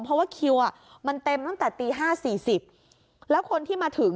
เพราะว่าคิวมันเต็มตั้งแต่ตี๕๔๐น